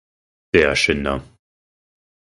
Der Schinder!